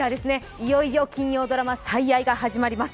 いよいよ金曜ドラマ「最愛」が始まります。